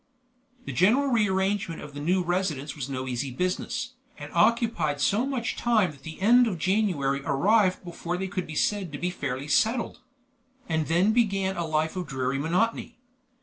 The general re arrangement of the new residence was no easy business, and occupied so much time that the end of January arrived before they could be said to be fairly settled. And then began a life of dreary monotony.